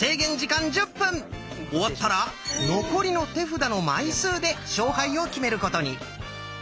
終わったら残りの手札の枚数で勝敗を決めることに。